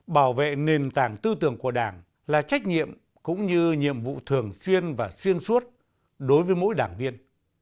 bảo vệ nền tảng tư tưởng của đảng là trách nhiệm cũng như nhiệm vụ thường xuyên và xuyên suốt đối với mỗi đảng viên